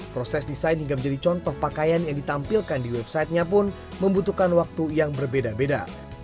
proses desain hingga menjadi contoh pakaian yang ditampilkan di websitenya pun membutuhkan waktu yang berbeda beda